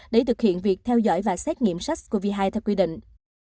để thực hiện việc theo dõi và xét nghiệm sars cov hai theo quy định